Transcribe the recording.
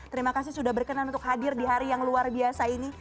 terima kasih sudah berkenan untuk hadir di hari yang luar biasa ini